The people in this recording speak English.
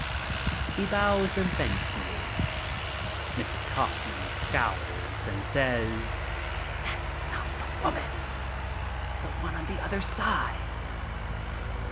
He bows and thanks me. Mrs. Kaufman scowls and says : "That's not the woman. It's the one on the other side."